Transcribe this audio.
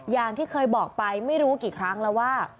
อย่างที่เคยบอกไปไม่รู้กี่ครั้งแล้วว่า